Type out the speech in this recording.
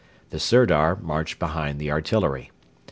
The Sirdar marched behind the artillery.